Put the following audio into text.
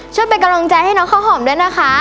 ช่วยเป็นกำลังใจให้น้องข้าวหอมด้วยนะคะ